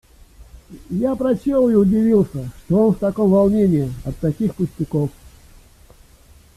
Я прочел и удивился, что он в таком волнении от таких пустяков.